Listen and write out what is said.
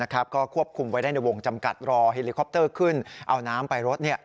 ก็ควบคุมไว้ได้ในวงจำกัดรอเฮลิคอปเตอร์ขึ้นเอาน้ำไปรถ